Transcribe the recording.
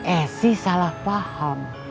eh sih salah paham